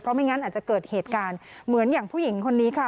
ไม่งั้นอาจจะเกิดเหตุการณ์เหมือนอย่างผู้หญิงคนนี้ค่ะ